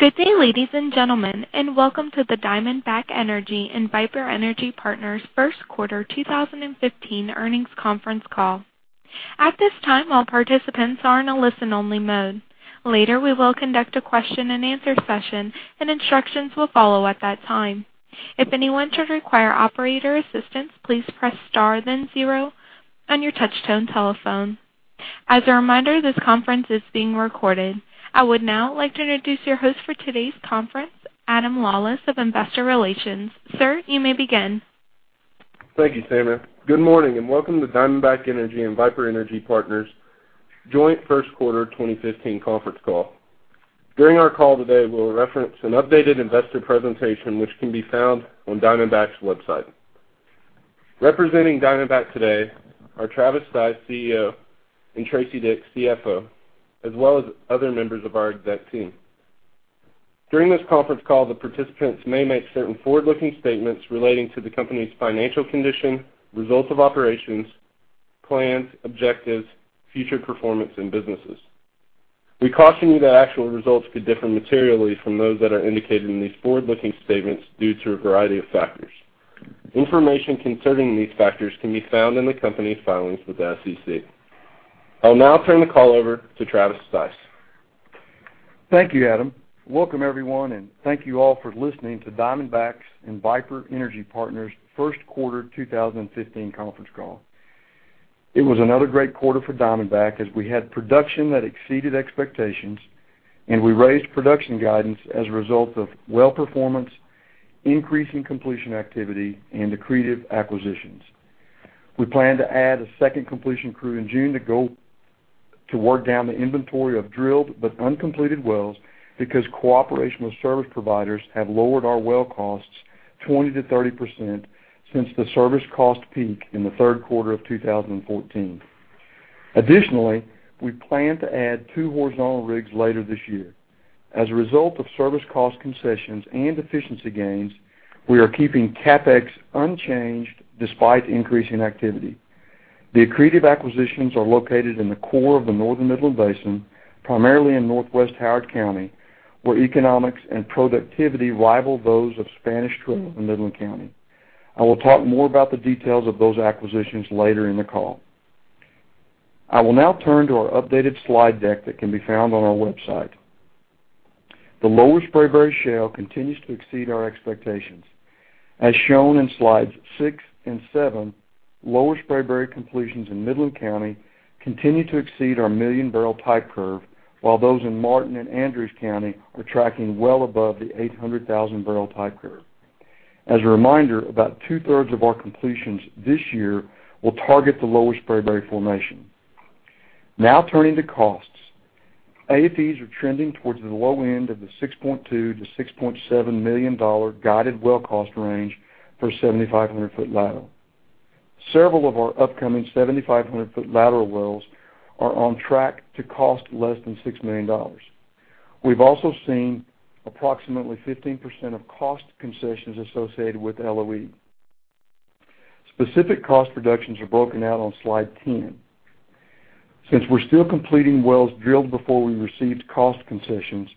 Good day, ladies and gentlemen, and welcome to the Diamondback Energy and Viper Energy Partners first quarter 2015 earnings conference call. At this time, all participants are in a listen-only mode. Later, we will conduct a question and answer session, and instructions will follow at that time. If anyone should require operator assistance, please press star then zero on your touchtone telephone. As a reminder, this conference is being recorded. I would now like to introduce your host for today's conference, Adam Lawlis of Investor Relations. Sir, you may begin. Thank you, Sarah. Good morning and welcome to Diamondback Energy and Viper Energy Partners joint first quarter 2015 conference call. During our call today, we will reference an updated investor presentation which can be found on Diamondback's website. Representing Diamondback today are Travis Stice, CEO, and Teresa Dick, CFO, as well as other members of our exec team. During this conference call, the participants may make certain forward-looking statements relating to the company's financial condition, results of operations, plans, objectives, future performance, and businesses. We caution you that actual results could differ materially from those that are indicated in these forward-looking statements due to a variety of factors. Information concerning these factors can be found in the company's filings with the SEC. I will now turn the call over to Travis Stice. Thank you, Adam. Welcome everyone, and thank you all for listening to Diamondback's and Viper Energy Partners' first quarter 2015 conference call. It was another great quarter for Diamondback as we had production that exceeded expectations. We raised production guidance as a result of well performance, increase in completion activity, and accretive acquisitions. We plan to add a second completion crew in June to work down the inventory of drilled but uncompleted wells because cooperation with service providers have lowered our well costs 20%-30% since the service cost peak in the third quarter of 2014. Additionally, we plan to add two horizontal rigs later this year. As a result of service cost concessions and efficiency gains, we are keeping CapEx unchanged despite increasing activity. The accretive acquisitions are located in the core of the Northern Midland Basin, primarily in northwest Howard County, where economics and productivity rival those of Spanish Trail in Midland County. I will talk more about the details of those acquisitions later in the call. I will now turn to our updated slide deck that can be found on our website. The Lower Spraberry Shale continues to exceed our expectations. As shown in slides six and seven, Lower Spraberry completions in Midland County continue to exceed our million barrel type curve, while those in Martin and Andrews County are tracking well above the 800,000 barrel type curve. As a reminder, about two-thirds of our completions this year will target the Lower Spraberry formation. Now turning to costs. AFEs are trending towards the low end of the $6.2 million-$6.7 million guided well cost range for 7,500 foot lateral. Several of our upcoming 7,500 foot lateral wells are on track to cost less than $6 million. We've also seen approximately 15% of cost concessions associated with LOE. Specific cost reductions are broken out on slide 10. Since we're still completing wells drilled before we received cost concessions,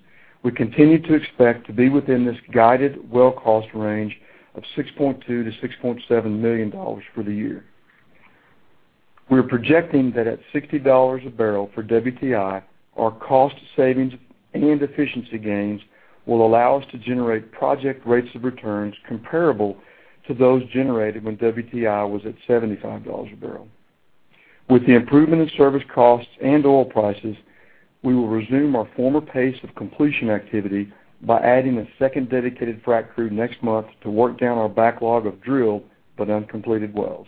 we continue to expect to be within this guided well cost range of $6.2 million-$6.7 million for the year. We're projecting that at $60 a barrel for WTI, our cost savings and efficiency gains will allow us to generate project rates of returns comparable to those generated when WTI was at $75 a barrel. With the improvement in service costs and oil prices, we will resume our former pace of completion activity by adding a second dedicated frack crew next month to work down our backlog of drilled but uncompleted wells.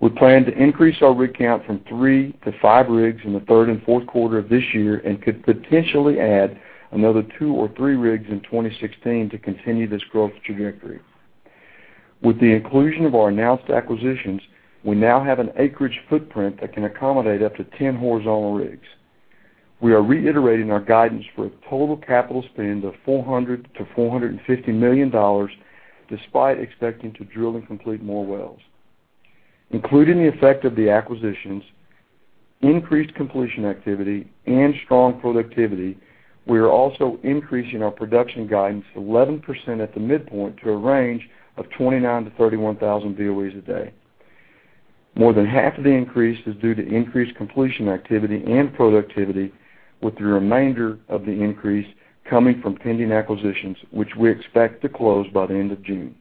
We plan to increase our rig count from three to five rigs in the third and fourth quarter of this year and could potentially add another two or three rigs in 2016 to continue this growth trajectory. With the inclusion of our announced acquisitions, we now have an acreage footprint that can accommodate up to 10 horizontal rigs. We are reiterating our guidance for a total capital spend of $400 million-$450 million, despite expecting to drill and complete more wells. Including the effect of the acquisitions, increased completion activity, and strong productivity, we are also increasing our production guidance 11% at the midpoint to a range of 29,000-31,000 BOEs a day. More than half of the increase is due to increased completion activity and productivity, with the remainder of the increase coming from pending acquisitions, which we expect to close by the end of June.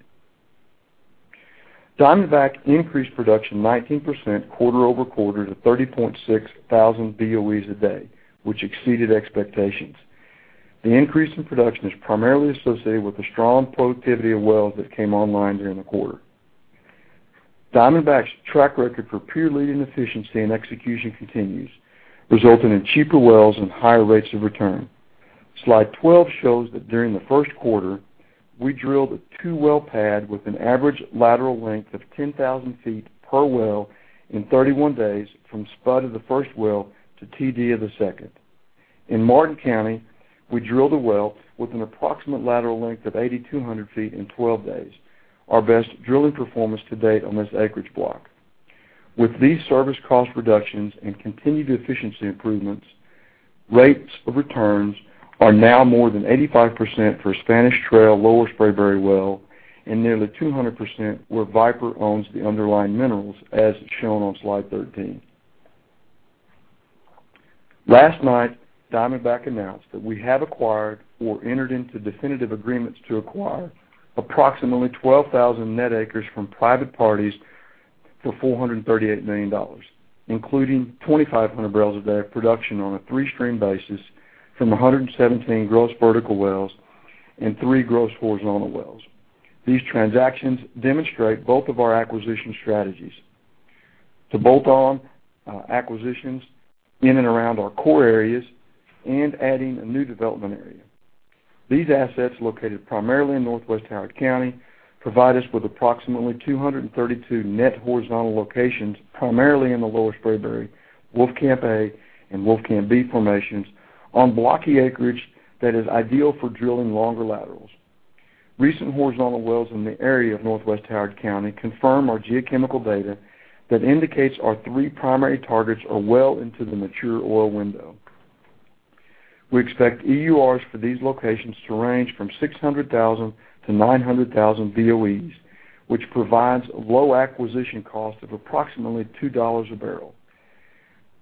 Diamondback increased production 19% quarter-over-quarter to 30.6 thousand BOEs a day, which exceeded expectations. The increase in production is primarily associated with the strong productivity of wells that came online during the quarter. Diamondback's track record for peer-leading efficiency and execution continues, resulting in cheaper wells and higher rates of return. Slide 12 shows that during the first quarter, we drilled a two-well pad with an average lateral length of 10,000 feet per well in 31 days from spud of the first well to TD of the second. In Martin County, we drilled a well with an approximate lateral length of 8,200 feet in 12 days, our best drilling performance to date on this acreage block. With these service cost reductions and continued efficiency improvements, rates of returns are now more than 85% for Spanish Trail Lower Spraberry Well and nearly 200% where Viper owns the underlying minerals, as shown on slide 13. Last night, Diamondback announced that we have acquired or entered into definitive agreements to acquire approximately 12,000 net acres from private parties for $438 million, including 2,500 barrels a day of production on a three-stream basis from 117 gross vertical wells and three gross horizontal wells. These transactions demonstrate both of our acquisition strategies: to bolt on acquisitions in and around our core areas and adding a new development area. These assets, located primarily in northwest Howard County, provide us with approximately 232 net horizontal locations, primarily in the Lower Spraberry, Wolfcamp A, and Wolfcamp B formations on blocky acreage that is ideal for drilling longer laterals. Recent horizontal wells in the area of northwest Howard County confirm our geochemical data that indicates our three primary targets are well into the mature oil window. We expect EURs for these locations to range from 600,000 to 900,000 BOEs, which provides low acquisition cost of approximately $2 a barrel.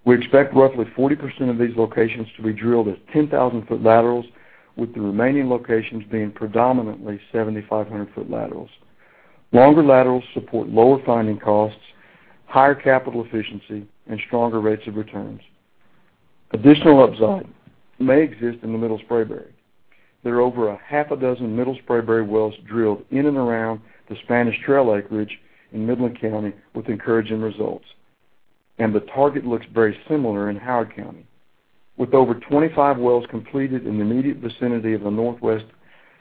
We expect roughly 40% of these locations to be drilled as 10,000-foot laterals, with the remaining locations being predominantly 7,500-foot laterals. Longer laterals support lower finding costs, higher capital efficiency, and stronger rates of returns. Additional upside may exist in the Middle Spraberry. There are over a half a dozen Middle Spraberry wells drilled in and around the Spanish Trail acreage in Midland County with encouraging results, and the target looks very similar in Howard County. With over 25 wells completed in the immediate vicinity of the northwest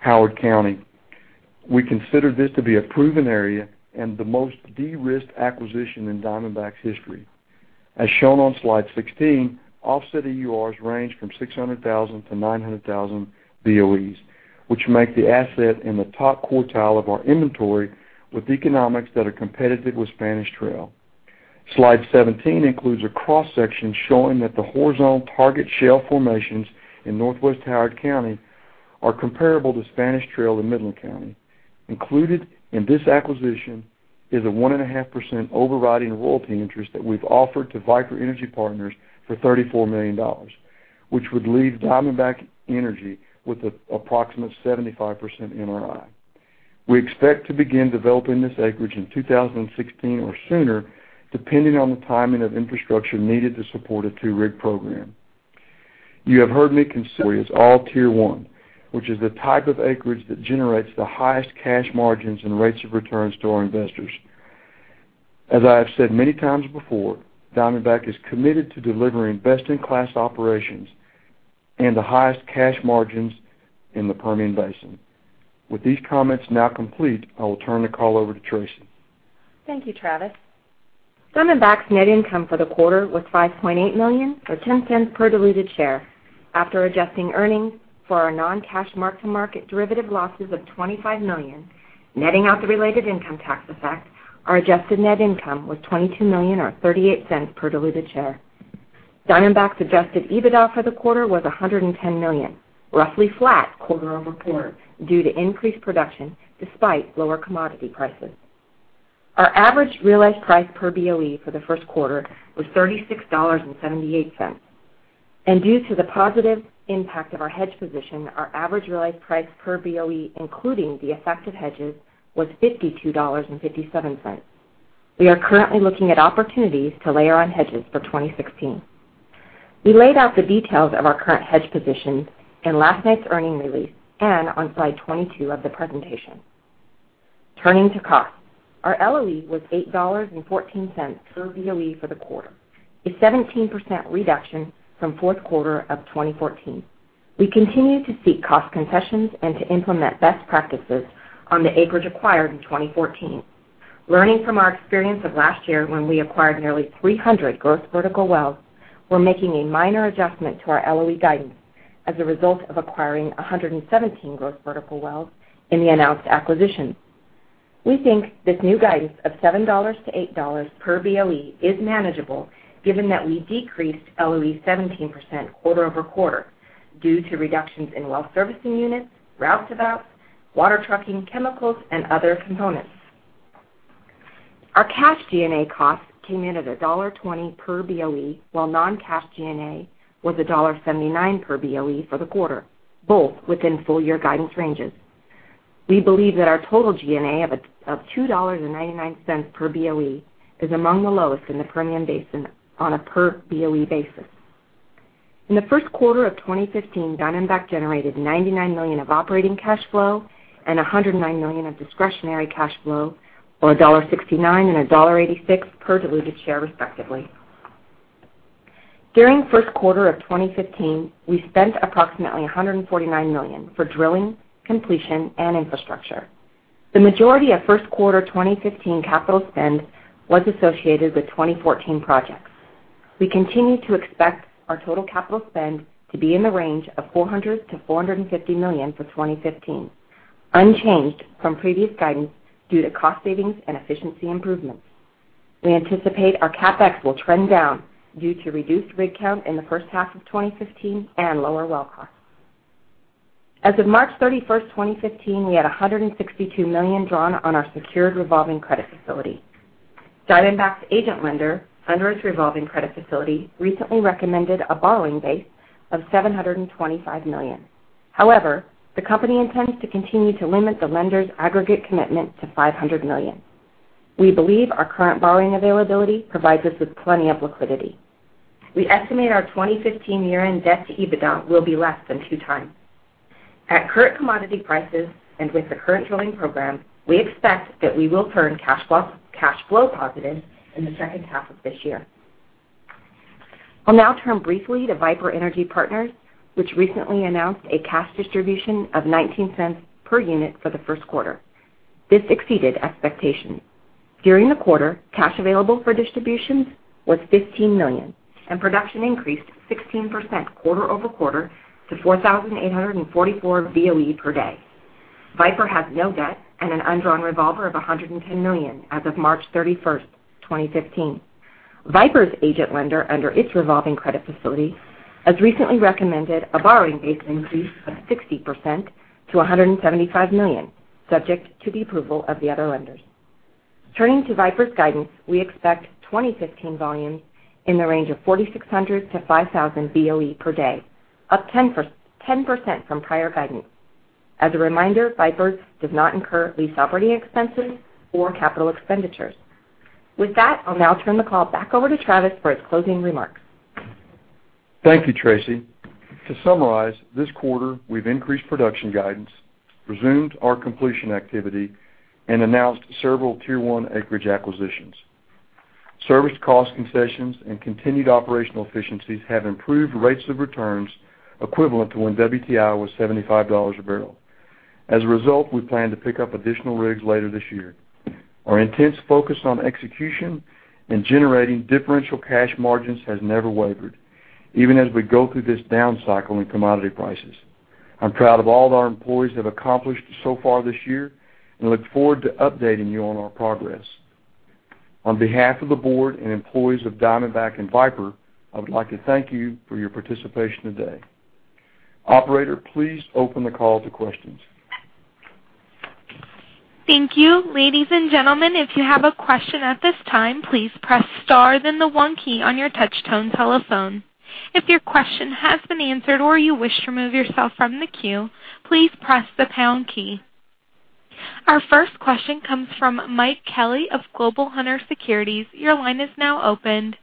Howard County, we consider this to be a proven area and the most de-risked acquisition in Diamondback's history. As shown on slide 16, offset EURs range from 600,000 to 900,000 BOEs, which make the asset in the top quartile of our inventory with economics that are competitive with Spanish Trail. Slide 17 includes a cross-section showing that the horizontal target shale formations in northwest Howard County are comparable to Spanish Trail in Midland County. Included in this acquisition is a 1.5% overriding royalty interest that we've offered to Viper Energy Partners for $34 million, which would leave Diamondback Energy with approximate 75% MRI. We expect to begin developing this acreage in 2016 or sooner, depending on the timing of infrastructure needed to support a two-rig program. You have heard me consider it as all Tier 1, which is the type of acreage that generates the highest cash margins and rates of returns to our investors. As I have said many times before, Diamondback is committed to delivering best-in-class operations and the highest cash margins in the Permian Basin. With these comments now complete, I will turn the call over to Tracy. Thank you, Travis. Diamondback's net income for the quarter was $5.8 million, or $0.10 per diluted share. After adjusting earnings for our non-cash mark-to-market derivative losses of $25 million, netting out the related income tax effect, our adjusted net income was $22 million or $0.38 per diluted share. Diamondback's adjusted EBITDA for the quarter was $110 million, roughly flat quarter-over-quarter due to increased production despite lower commodity prices. Our average realized price per BOE for the first quarter was $36.78. Due to the positive impact of our hedge position, our average realized price per BOE, including the effect of hedges, was $52.57. We are currently looking at opportunities to layer on hedges for 2016. We laid out the details of our current hedge position in last night's earning release and on slide 22 of the presentation. Turning to costs. Our LOE was $8.14 per BOE for the quarter, a 17% reduction from fourth quarter of 2014. We continue to seek cost concessions and to implement best practices on the acreage acquired in 2014. Learning from our experience of last year when we acquired nearly 300 gross vertical wells, we're making a minor adjustment to our LOE guidance as a result of acquiring 117 gross vertical wells in the announced acquisition. We think this new guidance of $7-$8 per BOE is manageable, given that we decreased LOE 17% quarter-over-quarter due to reductions in well servicing units, route development, water trucking, chemicals, and other components. Our cash G&A costs came in at $1.20 per BOE, while non-cash G&A was $1.79 per BOE for the quarter, both within full-year guidance ranges. We believe that our total G&A of $2.99 per BOE is among the lowest in the Permian Basin on a per-BOE basis. In the first quarter of 2015, Diamondback generated $99 million of operating cash flow and $109 million of discretionary cash flow, or $1.69 and $1.86 per diluted share, respectively. During first quarter of 2015, we spent approximately $149 million for drilling, completion, and infrastructure. The majority of first quarter 2015 capital spend was associated with 2014 projects. We continue to expect our total capital spend to be in the range of $400 million-$450 million for 2015, unchanged from previous guidance due to cost savings and efficiency improvements. We anticipate our CapEx will trend down due to reduced rig count in the first half of 2015 and lower well costs. As of March 31st, 2015, we had $162 million drawn on our secured revolving credit facility. Diamondback's agent lender under its revolving credit facility recently recommended a borrowing base of $725 million. However, the company intends to continue to limit the lender's aggregate commitment to $500 million. We believe our current borrowing availability provides us with plenty of liquidity. We estimate our 2015 year-end debt to EBITDA will be less than two times. At current commodity prices and with the current drilling program, we expect that we will turn cash flow positive in the second half of this year. I'll now turn briefly to Viper Energy Partners, which recently announced a cash distribution of $0.19 per unit for the first quarter. This exceeded expectations. During the quarter, cash available for distributions was $15 million, and production increased 16% quarter-over-quarter to 4,844 BOE per day. Viper has no debt and an undrawn revolver of $110 million as of March 31st, 2015. Viper's agent lender under its revolving credit facility has recently recommended a borrowing base increase of 60% to $175 million, subject to the approval of the other lenders. Turning to Viper's guidance, we expect 2015 volumes in the range of 4,600-5,000 BOE per day, up 10% from prior guidance. As a reminder, Viper does not incur lease operating expenses or capital expenditures. With that, I'll now turn the call back over to Travis for his closing remarks. Thank you, Tracy. To summarize, this quarter, we've increased production guidance, resumed our completion activity, and announced several Tier 1 acreage acquisitions. Service cost concessions and continued operational efficiencies have improved rates of returns equivalent to when WTI was $75 a barrel. As a result, we plan to pick up additional rigs later this year. Our intense focus on execution and generating differential cash margins has never wavered, even as we go through this down cycle in commodity prices. I'm proud of all that our employees have accomplished so far this year and look forward to updating you on our progress. On behalf of the board and employees of Diamondback and Viper, I would like to thank you for your participation today. Operator, please open the call to questions. Thank you. Ladies and gentlemen, if you have a question at this time, please press star then the one key on your touch tone telephone. If your question has been answered or you wish to remove yourself from the queue, please press the pound key. Our first question comes from Mike Kelly of Global Hunter Securities. Your line is now opened.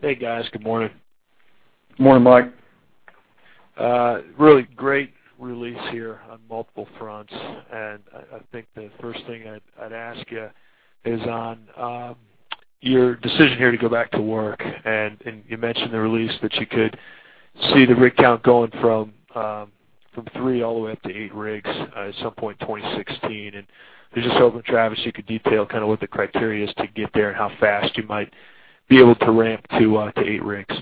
Hey, guys. Good morning. Morning, Mike. Really great release here on multiple fronts. I think the first thing I'd ask you is on your decision here to go back to work, you mentioned the release that you could see the rig count going from three all the way up to eight rigs at some point in 2016. I was just hoping, Travis, you could detail what the criteria is to get there and how fast you might be able to ramp to eight rigs.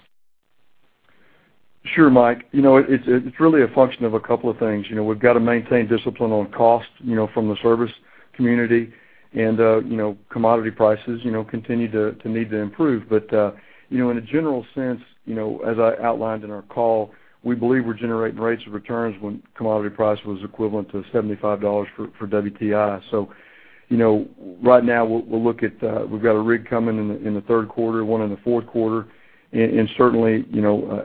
Sure, Mike. It's really a function of a couple of things. We've got to maintain discipline on cost from the service community commodity prices continue to need to improve. In a general sense, as I outlined in our call, we believe we're generating rates of returns when commodity price was equivalent to $75 for WTI. Right now, we've got a rig coming in the third quarter, one in the fourth quarter, certainly,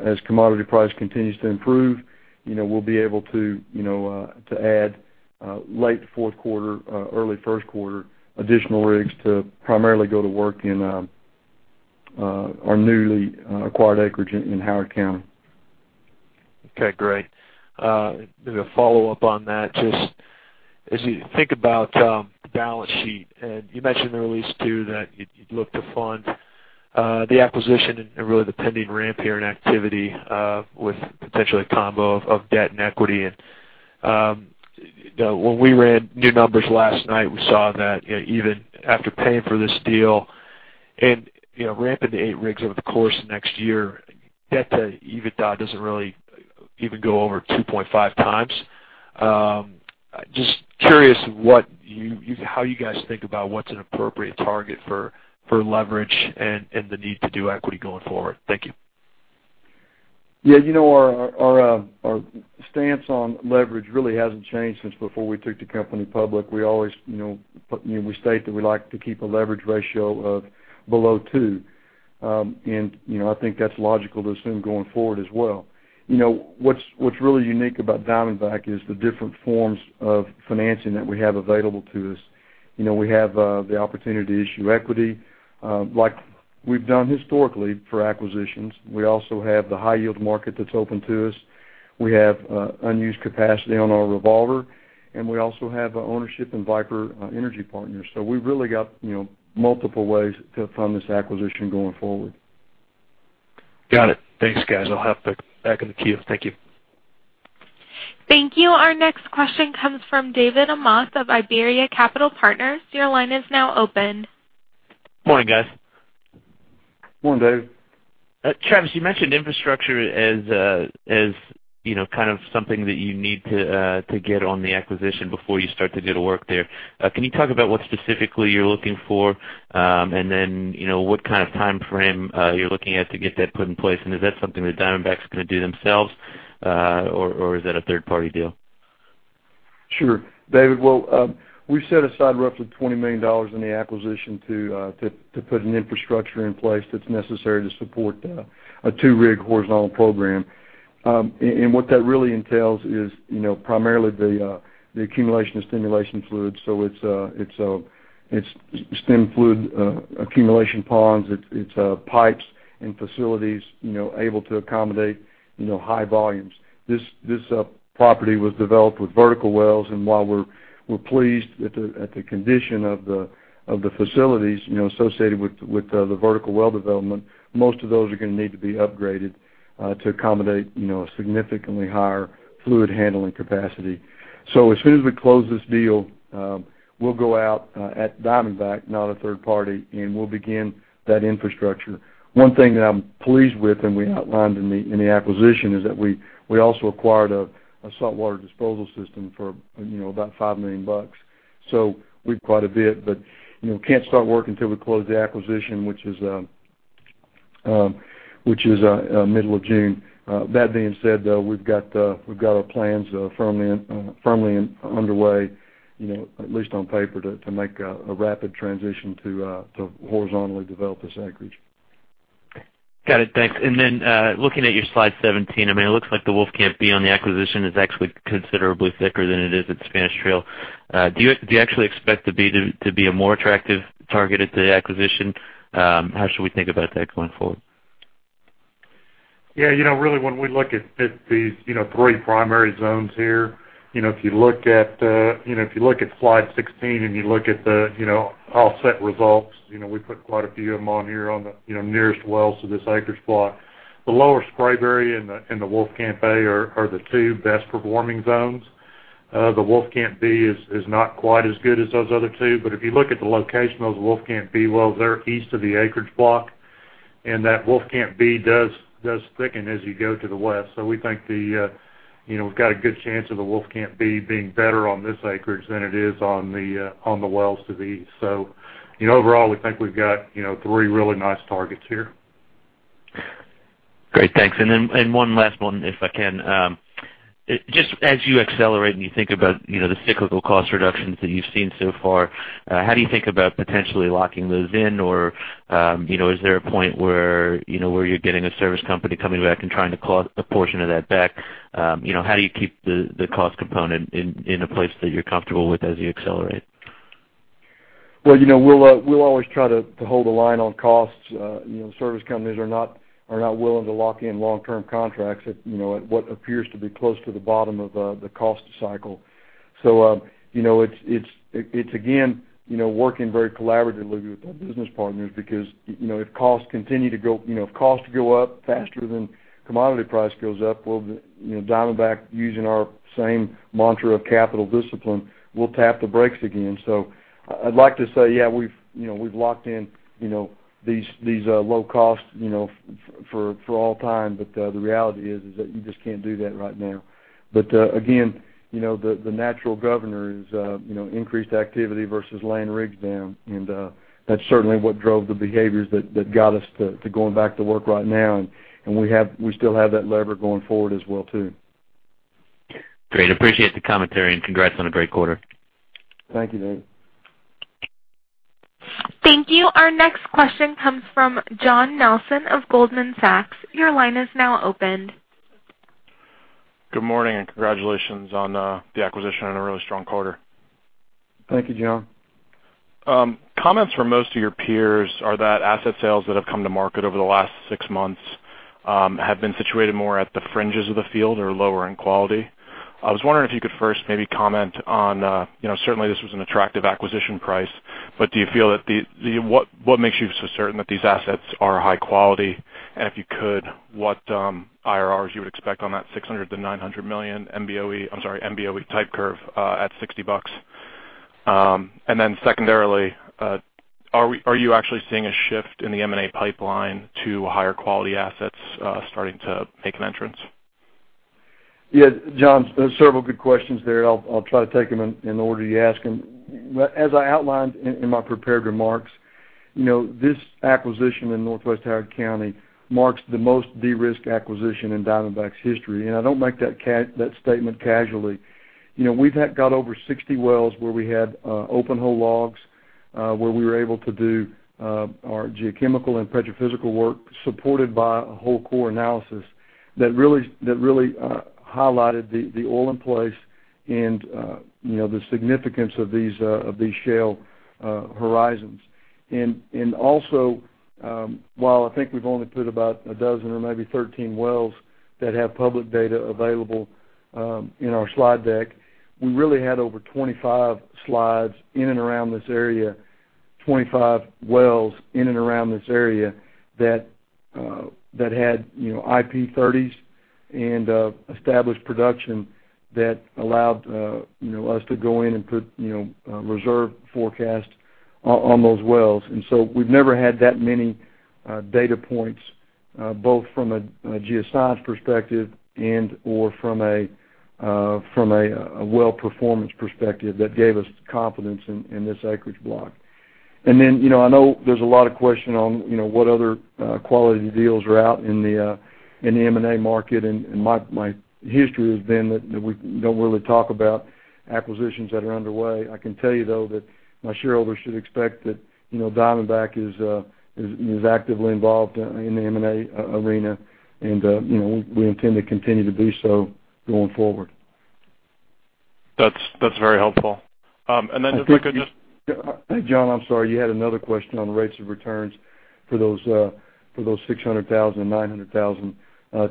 as commodity price continues to improve, we'll be able to add late fourth quarter, early first quarter additional rigs to primarily go to work in our newly acquired acreage in Howard County. Okay, great. As a follow-up on that, just as you think about the balance sheet, you mentioned in the release, too, that you'd look to fund the acquisition and really the pending ramp here in activity with potentially a combo of debt and equity. When we ran new numbers last night, we saw that even after paying for this deal and ramping to eight rigs over the course of next year, debt to EBITDA doesn't really even go over 2.5 times. Just curious how you guys think about what's an appropriate target for leverage and the need to do equity going forward. Thank you. Yeah. Our stance on leverage really hasn't changed since before we took the company public. We state that we like to keep a leverage ratio of below two. I think that's logical to assume going forward as well. What's really unique about Diamondback is the different forms of financing that we have available to us. We have the opportunity to issue equity like we've done historically for acquisitions. We also have the high yield market that's open to us. We have unused capacity on our revolver, we also have our ownership in Viper Energy Partners. We've really got multiple ways to fund this acquisition going forward. Got it. Thanks, guys. I'll hop back in the queue. Thank you. Thank you. Our next question comes from David Amoth of Iberia Capital Partners. Your line is now open. Morning, guys. Morning, David. Travis, you mentioned infrastructure as something that you need to get on the acquisition before you start to do the work there. Can you talk about what specifically you're looking for? Then, what kind of timeframe you're looking at to get that put in place, and is that something that Diamondback's going to do themselves, or is that a third-party deal? Sure. David, well, we set aside roughly $20 million in the acquisition to put an infrastructure in place that's necessary to support a two-rig horizontal program. What that really entails is primarily the accumulation of stimulation fluid. It's stem fluid accumulation ponds. It's pipes and facilities able to accommodate high volumes. This property was developed with vertical wells, and while we're pleased at the condition of the facilities associated with the vertical well development, most of those are going to need to be upgraded to accommodate a significantly higher fluid handling capacity. As soon as we close this deal, we'll go out at Diamondback, not a third party, and we'll begin that infrastructure. One thing that I'm pleased with, and we outlined in the acquisition, is that we also acquired a saltwater disposal system for about $5 million. We've quite a bit, but can't start work until we close the acquisition, which is middle of June. That being said, though, we've got our plans firmly underway at least on paper, to make a rapid transition to horizontally develop this acreage. Got it. Thanks. Then, looking at your slide 17, it looks like the Wolfcamp B on the acquisition is actually considerably thicker than it is at Spanish Trail. Do you actually expect the B to be a more attractive target at the acquisition? How should we think about that going forward? Yeah. Really when we look at these three primary zones here, if you look at slide 16 and you look at the offset results, we put quite a few of them on here on the nearest wells to this acreage block. The Lower Spraberry and the Wolfcamp A are the two best performing zones. The Wolfcamp B is not quite as good as those other two, but if you look at the location of those Wolfcamp B wells, they're east of the acreage block, and that Wolfcamp B does thicken as you go to the west. We think we've got a good chance of the Wolfcamp B being better on this acreage than it is on the wells to the east. Overall, we think we've got three really nice targets here. Great, thanks. One last one, if I can. Just as you accelerate and you think about the cyclical cost reductions that you've seen so far, how do you think about potentially locking those in? Is there a point where you're getting a service company coming back and trying to claw a portion of that back? How do you keep the cost component in a place that you're comfortable with as you accelerate? Well, we'll always try to hold the line on costs. Service companies are not willing to lock in long-term contracts at what appears to be close to the bottom of the cost cycle. It's again, working very collaboratively with our business partners because if costs go up faster than commodity price goes up, Diamondback, using our same mantra of capital discipline, will tap the brakes again. I'd like to say, yeah, we've locked in these low costs for all time. The reality is that you just can't do that right now. Again, the natural governor is increased activity versus laying rigs down, and that's certainly what drove the behaviors that got us to going back to work right now, and we still have that lever going forward as well, too. Great. Appreciate the commentary and congrats on a great quarter. Thank you, David. Thank you. Our next question comes from John Nelson of Goldman Sachs. Your line is now opened. Good morning, and congratulations on the acquisition and a really strong quarter. Thank you, John. Comments from most of your peers are that asset sales that have come to market over the last 6 months have been situated more at the fringes of the field or lower in quality. I was wondering if you could first maybe comment on, certainly this was an attractive acquisition price, but what makes you so certain that these assets are high quality? If you could, what IRRs you would expect on that 600 million-900 million MBOE type curve at $60. Secondarily, are you actually seeing a shift in the M&A pipeline to higher quality assets starting to make an entrance? Yeah. John, several good questions there. I'll try to take them in the order you asked them. As I outlined in my prepared remarks, this acquisition in Northwest Howard County marks the most de-risked acquisition in Diamondback's history. I don't make that statement casually. We've got over 60 wells where we had open hole logs, where we were able to do our geochemical and petrophysical work supported by a whole core analysis that really highlighted the oil in place and the significance of these shale horizons. Also, while I think we've only put about a dozen or maybe 13 wells that have public data available in our slide deck, we really had over 25 slides in and around this area 25 wells in and around this area that had IP30s and established production that allowed us to go in and put reserve forecasts on those wells. We've never had that many data points, both from a geoscience perspective and/or from a well performance perspective, that gave us confidence in this acreage block. I know there's a lot of question on what other quality deals are out in the M&A market, and my history has been that we don't really talk about acquisitions that are underway. I can tell you, though, that my shareholders should expect that Diamondback is actively involved in the M&A arena and we intend to continue to do so going forward. That's very helpful. Hey, John, I'm sorry. You had another question on the rates of returns for those 600,000, 900,000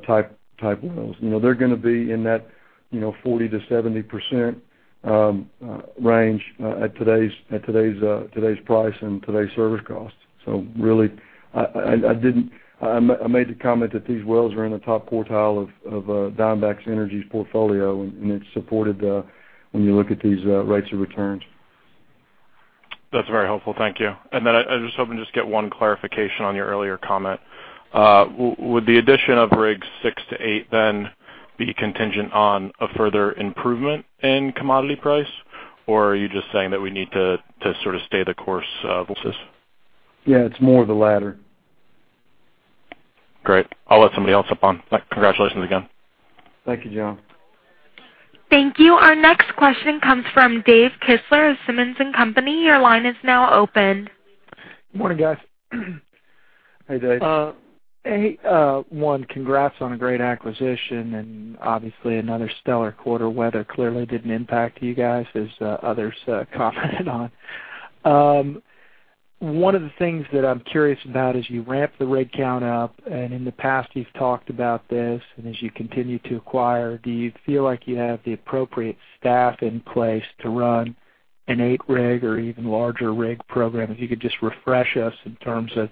type wells. They're going to be in that 40%-70% range at today's price and today's service costs. Really, I made the comment that these wells are in the top quartile of Diamondback Energy's portfolio, and it's supported when you look at these rates of returns. That's very helpful. Thank you. I was hoping just get one clarification on your earlier comment. Would the addition of rigs six to eight then be contingent on a further improvement in commodity price? Are you just saying that we need to sort of stay the course versus? Yeah, it's more of the latter. Great. I'll let somebody else hop on. Congratulations again. Thank you, John. Thank you. Our next question comes from Dave Kistler of Simmons & Company. Your line is now open. Morning, guys. Hey, Dave. One, congrats on a great acquisition and obviously another stellar quarter. Weather clearly didn't impact you guys, as others commented on. One of the things that I'm curious about as you ramp the rig count up, in the past you've talked about this, as you continue to acquire, do you feel like you have the appropriate staff in place to run an eight rig or even larger rig program? If you could just refresh us in terms of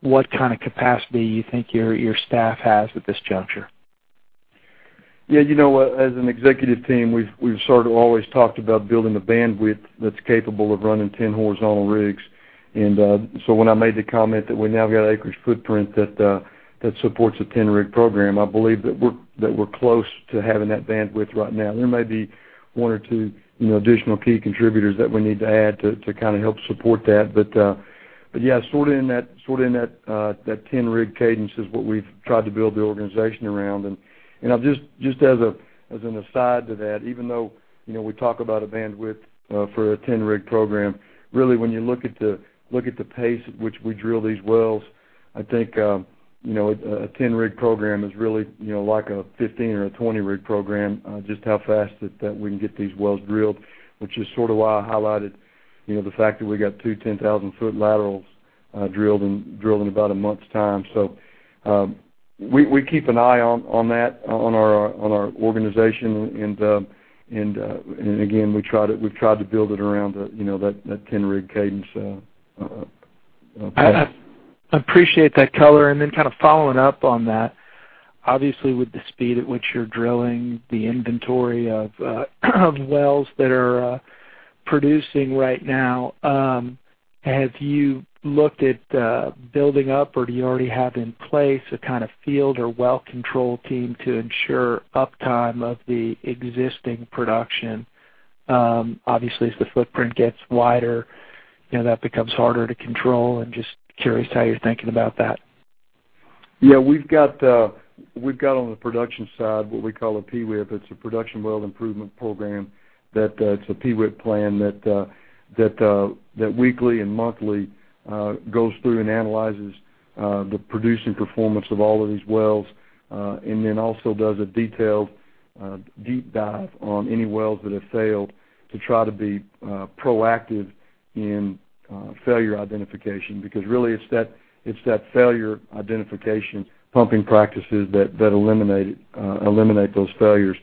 what kind of capacity you think your staff has at this juncture. Yeah. As an executive team, we've sort of always talked about building the bandwidth that's capable of running 10 horizontal rigs. When I made the comment that we now got acreage footprint that supports a 10-rig program, I believe that we're close to having that bandwidth right now. There may be one or two additional key contributors that we need to add to kind of help support that. Yeah, sort of in that 10-rig cadence is what we've tried to build the organization around. Just as an aside to that, even though we talk about a bandwidth for a 10-rig program, really, when you look at the pace at which we drill these wells, I think, a 10-rig program is really like a 15 or a 20-rig program, just how fast that we can get these wells drilled, which is sort of why I highlighted the fact that we got two 10,000-foot laterals drilled in about a month's time. We keep an eye on that on our organization, and again, we've tried to build it around that 10-rig cadence. I appreciate that color, kind of following up on that, obviously, with the speed at which you're drilling the inventory of wells that are producing right now, have you looked at building up, or do you already have in place a kind of field or well control team to ensure uptime of the existing production? Obviously, as the footprint gets wider, that becomes harder to control. I'm just curious how you're thinking about that. We've got on the production side what we call a PIWIP. It's a production well improvement program that's a PIWIP plan that weekly and monthly goes through and analyzes the producing performance of all of these wells, also does a detailed deep dive on any wells that have failed to try to be proactive in failure identification. Really it's that failure identification, pumping practices that eliminate those failures.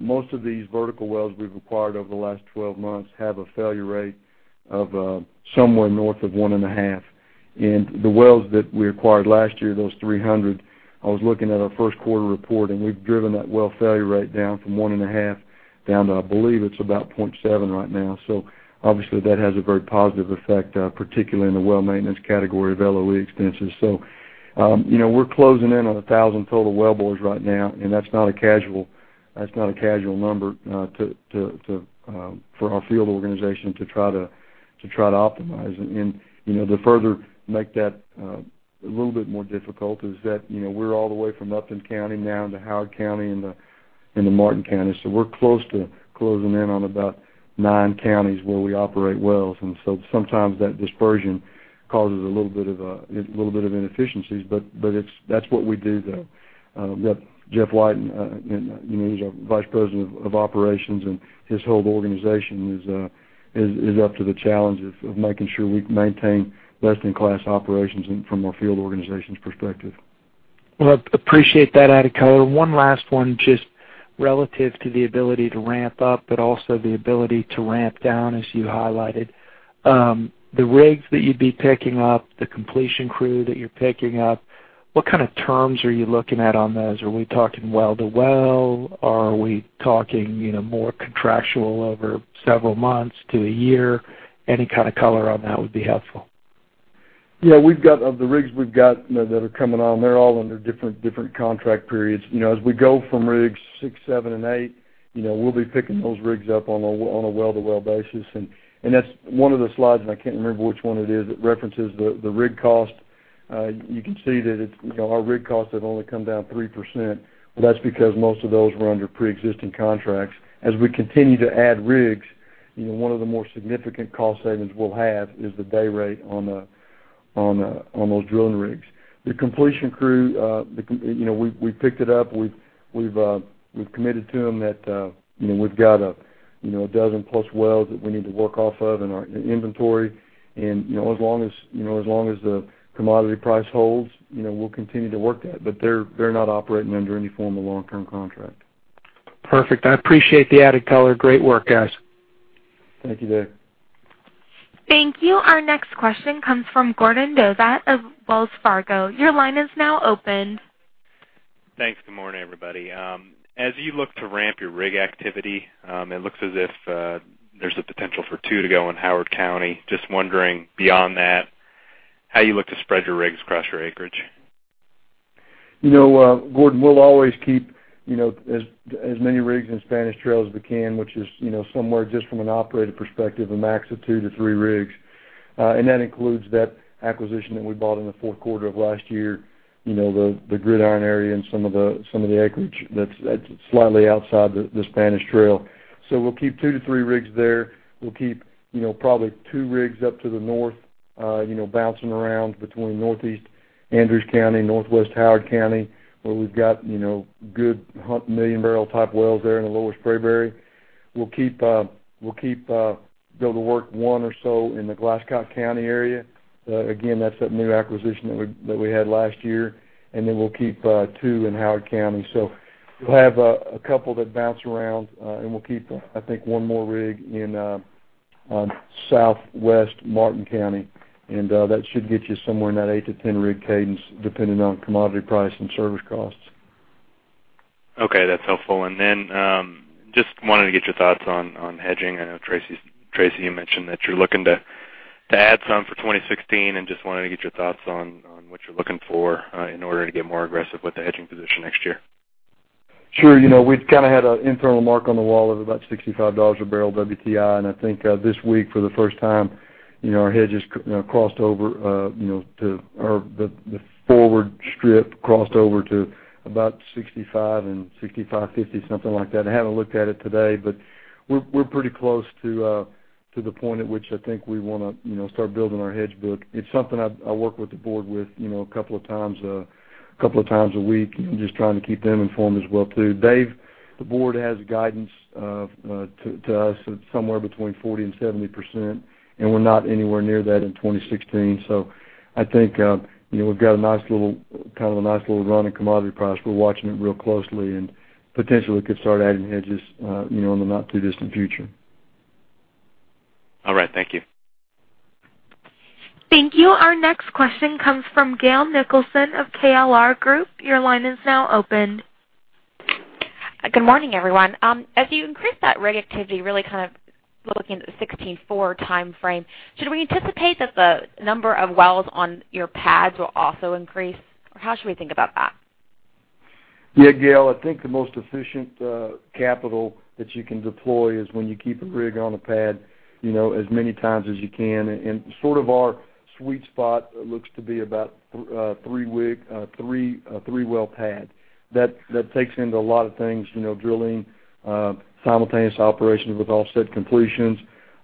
Most of these vertical wells we've acquired over the last 12 months have a failure rate of somewhere north of 1.5. The wells that we acquired last year, those 300, I was looking at our first quarter report, and we've driven that well failure rate down from 1.5 down to, I believe it's about 0.7 right now. Obviously, that has a very positive effect, particularly in the well maintenance category of LOE expenses. We're closing in on 1,000 total wellbores right now, that's not a casual number for our field organization to try to optimize. To further make that a little bit more difficult is that we're all the way from Upton County now into Howard County and to Martin County. We're close to closing in on about nine counties where we operate wells, sometimes that dispersion causes a little bit of inefficiencies, but that's what we do, though. Jeff Lighten, he's our vice president of operations, his whole organization is up to the challenge of making sure we maintain best-in-class operations from our field organization's perspective. Appreciate that added color. One last one, just relative to the ability to ramp up, also the ability to ramp down, as you highlighted. The rigs that you'd be picking up, the completion crew that you're picking up, what kind of terms are you looking at on those? Are we talking well to well? Are we talking more contractual over several months to a year? Any kind of color on that would be helpful. Of the rigs we've got that are coming on, they're all under different contract periods. As we go from rigs six, seven, and eight, we'll be picking those rigs up on a well to well basis. That's one of the slides, I can't remember which one it is, that references the rig cost. You can see that our rig costs have only come down 3%. That's because most of those were under preexisting contracts. As we continue to add rigs, one of the more significant cost savings we'll have is the day rate on those drilling rigs. The completion crew, we picked it up. We've committed to them that we've got a dozen plus wells that we need to work off of in our inventory, as long as the commodity price holds, we'll continue to work that. They're not operating under any form of long-term contract. Perfect. I appreciate the added color. Great work, guys. Thank you, Dave. Thank you. Our next question comes from Gordon Dovat of Wells Fargo. Your line is now open. Thanks. Good morning, everybody. As you look to ramp your rig activity, it looks as if there's a potential for two to go in Howard County. Just wondering, beyond that, how you look to spread your rigs across your acreage? Gordon, we'll always keep as many rigs in Spanish Trail as we can, which is somewhere just from an operating perspective, a max of two to three rigs. That includes that acquisition that we bought in the fourth quarter of last year, the Gridiron area and some of the acreage that's slightly outside the Spanish Trail. We'll keep two to three rigs there. We'll keep probably two rigs up to the north, bouncing around between Northeast Andrews County, Northwest Howard County, where we've got good million barrel type wells there in the Lower Spraberry. We'll be able to work one or so in the Glasscock County area. Again, that's that new acquisition that we had last year. We'll keep two in Howard County. We'll have a couple that bounce around, we'll keep, I think, one more rig in Southwest Martin County, that should get you somewhere in that 8-10 rig cadence, depending on commodity price and service costs. Okay. That's helpful. Just wanted to get your thoughts on hedging. I know Tracy, you mentioned that you're looking to add some for 2016, just wanted to get your thoughts on what you're looking for in order to get more aggressive with the hedging position next year. Sure. We've had an internal mark on the wall of about $65 a barrel WTI, I think this week for the first time, our hedges crossed over to about $65 and $65.50, something like that. I haven't looked at it today, we're pretty close to the point at which I think we want to start building our hedge book. It's something I work with the board with a couple of times a week, just trying to keep them informed as well too. Dave, the board has guidance to us of somewhere between 40% and 70%, we're not anywhere near that in 2016. I think we've got a nice little run in commodity price. We're watching it real closely and potentially could start adding hedges in the not too distant future. All right. Thank you. Thank you. Our next question comes from Gayle Nicholson of KLR Group. Your line is now open. Good morning, everyone. As you increase that rig activity really looking at the 2016, 4 timeframe, should we anticipate that the number of wells on your pads will also increase? How should we think about that? Gayle, I think the most efficient capital that you can deploy is when you keep a rig on a pad as many times as you can. Our sweet spot looks to be about a three-well pad. That takes into a lot of things, drilling, simultaneous operations with offset completions.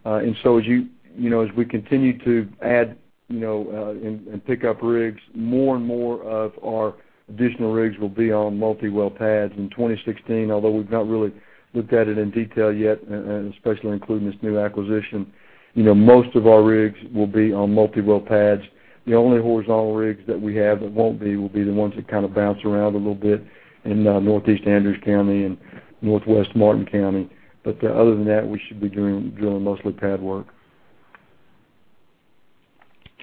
As we continue to add and pick up rigs, more and more of our additional rigs will be on multi-well pads in 2016, although we've not really looked at it in detail yet, and especially including this new acquisition. Most of our rigs will be on multi-well pads. The only horizontal rigs that we have that won't be will be the ones that bounce around a little bit in Northeast Andrews County and Northwest Martin County. Other than that, we should be doing mostly pad work.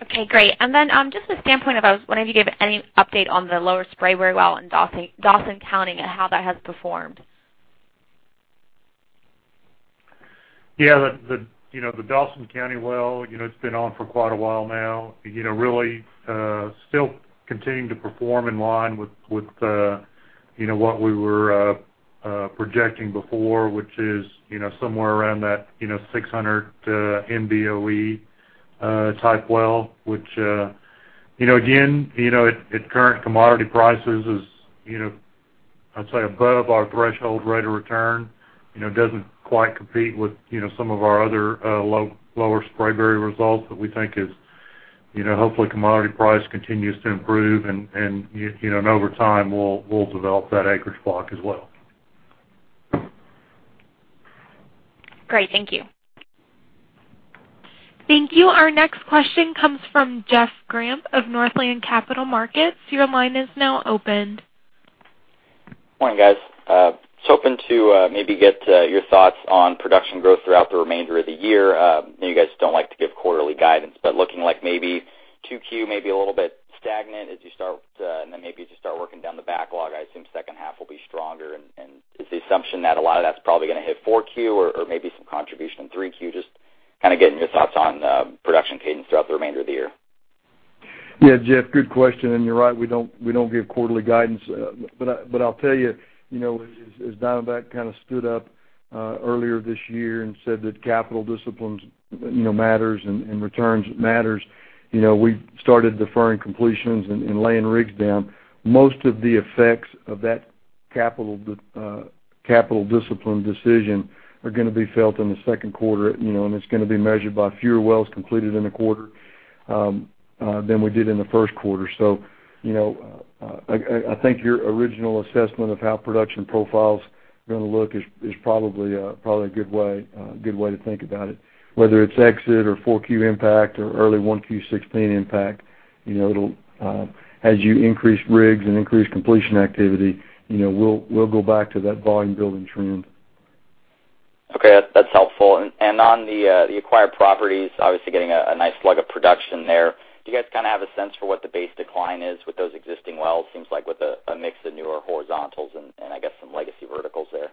Okay, great. Just the standpoint of, I was wondering if you gave any update on the Lower Spraberry well in Dawson County and how that has performed. Yeah. The Dawson County well, it's been on for quite a while now. Really still continuing to perform in line with what we were projecting before, which is somewhere around that 600 MBOE type well, which again, at current commodity prices is, I'd say above our threshold rate of return. It doesn't quite compete with some of our other Lower Spraberry results that we think is hopefully commodity price continues to improve and over time, we'll develop that acreage block as well. Great. Thank you. Thank you. Our next question comes from Jeff Grampp of Northland Capital Markets. Your line is now open. Morning, guys. Just hoping to maybe get your thoughts on production growth throughout the remainder of the year. I know you guys don't like to give quarterly guidance. Looking like maybe 2Q may be a little bit stagnant as you start to, and then maybe as you start working down the backlog, I assume the second half will be stronger. Is the assumption that a lot of that's probably going to hit 4Q or maybe some contribution in 3Q? Just getting your thoughts on production cadence throughout the remainder of the year. Yeah, Jeff, good question. You're right, we don't give quarterly guidance. I'll tell you, as Diamondback stood up earlier this year and said that capital disciplines matters and returns matters, we started deferring completions and laying rigs down. Most of the effects of that capital discipline decision are going to be felt in the second quarter, and it's going to be measured by fewer wells completed in the quarter than we did in the first quarter. I think your original assessment of how production profile's going to look is probably a good way to think about it. Whether it's exit or 4Q impact or early Q1 2016 impact, as you increase rigs and increase completion activity, we'll go back to that volume building trend. Okay. That's helpful. On the acquired properties, obviously getting a nice slug of production there. Do you guys have a sense for what the base decline is with those existing wells? Seems like with a mix of newer horizontals and I guess some legacy verticals there.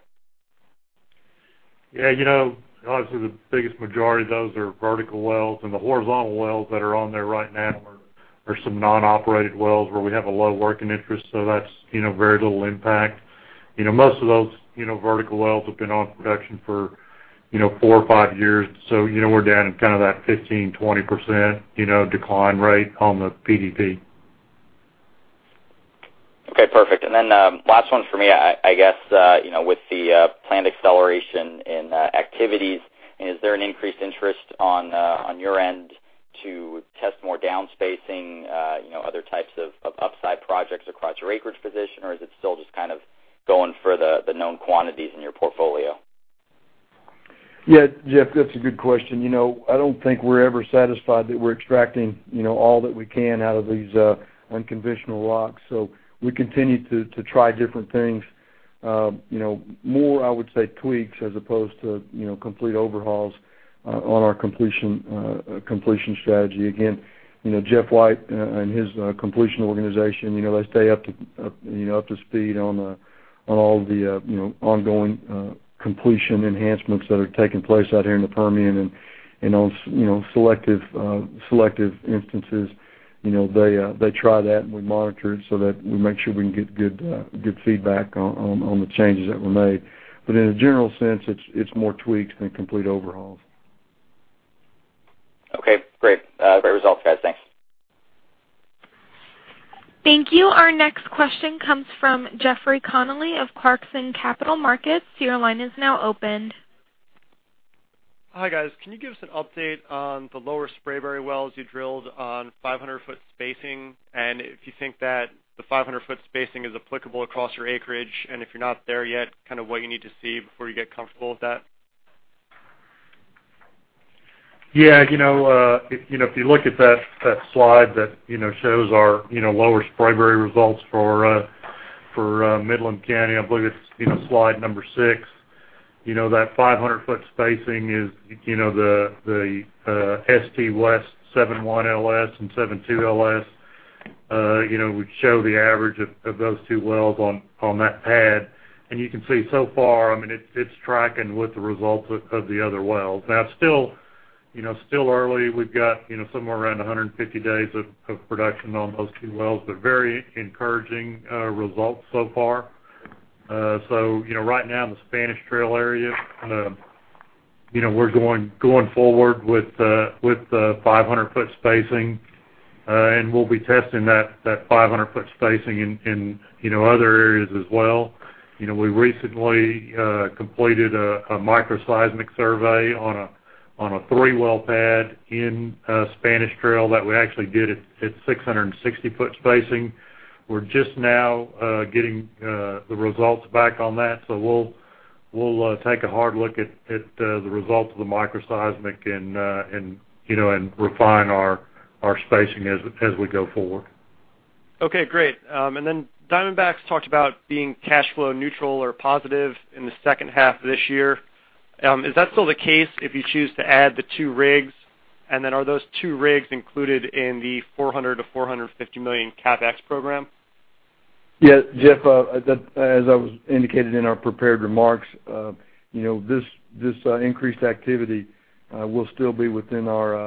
Yeah. Obviously, the biggest majority of those are vertical wells, and the horizontal wells that are on there right now are some non-operated wells where we have a low working interest, so that's very little impact. Most of those vertical wells have been on production for four or five years, so we're down in that 15%-20% decline rate on the PDP. Okay, perfect. Last one for me. I guess, with the planned acceleration in activities, is there an increased interest on your end to test more downspacing, other types of upside projects across your acreage position, or is it still just going for the known quantities in your portfolio? Yeah, Jeff, that's a good question. I don't think we're ever satisfied that we're extracting all that we can out of these unconventional rocks. We continue to try different things. More, I would say tweaks as opposed to complete overhauls on our completion strategy. Again, Jeff White and his completion organization, they stay up to speed on all the ongoing completion enhancements that are taking place out here in the Permian and on selective instances, they try that, and we monitor it so that we make sure we can get good feedback on the changes that were made. In a general sense, it's more tweaks than complete overhauls. Okay, great. Great results, guys. Thanks. Thank you. Our next question comes from Jeffrey Connelly of Clarksons Securities. Your line is now open. Hi, guys. Can you give us an update on the Lower Spraberry wells you drilled on 500-foot spacing? If you think that the 500-foot spacing is applicable across your acreage, and if you're not there yet, what you need to see before you get comfortable with that? Yeah. If you look at that slide that shows our Lower Spraberry results for Midland County, I believe it's slide number six. That 500-foot spacing is the ST West 7-1LS and 7-2LS. We show the average of those two wells on that pad. You can see so far, it's tracking with the results of the other wells. Now, still early. We've got somewhere around 150 days of production on those two wells, but very encouraging results so far. Right now in the Spanish Trail area, we're going forward with the 500-foot spacing, and we'll be testing that 500-foot spacing in other areas as well. We recently completed a microseismic survey on a three-well pad in Spanish Trail that we actually did at 660-foot spacing. We're just now getting the results back on that. We'll take a hard look at the results of the microseismic and refine our spacing as we go forward. Okay, great. Diamondback's talked about being cash flow neutral or positive in the second half of this year. Is that still the case if you choose to add the 2 rigs? Are those 2 rigs included in the $400 million-$450 million CapEx program? Yeah, Jeff, as I indicated in our prepared remarks, this increased activity will still be within our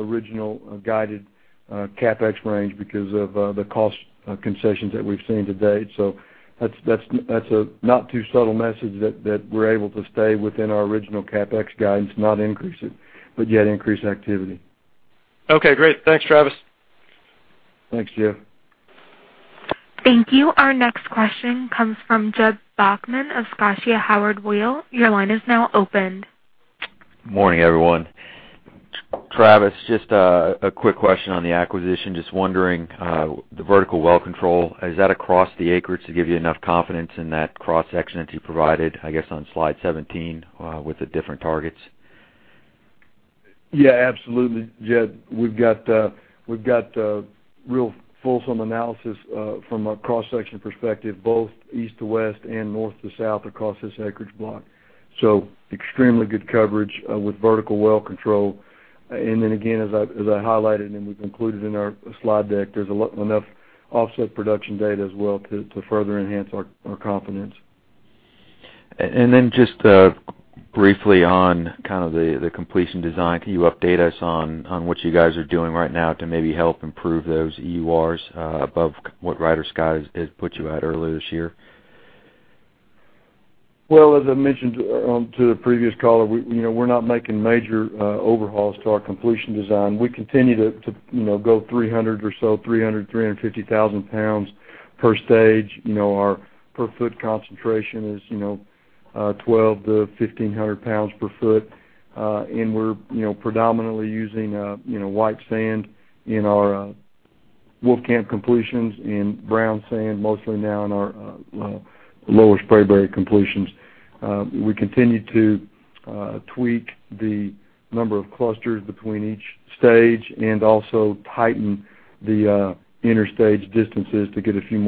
original guided CapEx range because of the cost concessions that we've seen to date. That's a not too subtle message that we're able to stay within our original CapEx guidance, not increase it, but yet increase activity. Okay, great. Thanks, Travis. Thanks, Jeff. Thank you. Our next question comes from Jeb Bachman of Scotia Howard Weil. Your line is now open. Morning, everyone. Travis, just a quick question on the acquisition. Just wondering, the vertical well control, is that across the acreage to give you enough confidence in that cross-section that you provided, I guess, on slide 17 with the different targets? Yeah, absolutely, Jeb. We've got a real fulsome analysis from a cross-section perspective, both east to west and north to south across this acreage block. Extremely good coverage with vertical well control. Again, as I highlighted and we've included in our slide deck, there's enough offset production data as well to further enhance our confidence. Just briefly on the completion design. Can you update us on what you guys are doing right now to maybe help improve those EURs above what Ryder Scott had put you at earlier this year? Well, as I mentioned to the previous caller, we're not making major overhauls to our completion design. We continue to go 300 or so, 300,000, 350,000 pounds per stage. Our per foot concentration is 1,200-1,500 pounds per foot. We're predominantly using white sand in our Wolfcamp completions and brown sand mostly now in our Lower Spraberry completions. We continue to tweak the number of clusters between each stage and also tighten the interstage distances to get a few